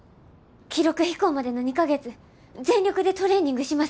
記録飛行までの２か月全力でトレーニングします。